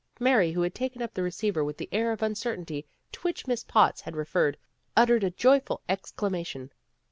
Mary, who had taken up the receiver with the air of uncertainty to which Miss Potts had referred, uttered a joyful exclamation.